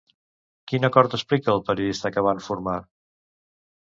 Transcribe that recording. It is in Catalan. Quin acord explica el periodista que van formar?